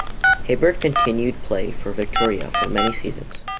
Hibbert continued play for Victoria for many seasons.